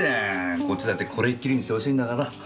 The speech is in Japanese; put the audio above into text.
こっちだってこれっきりにしてほしいんだから。